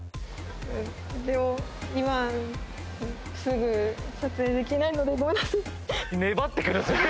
でも今すぐ撮影できないのでごめんなさい。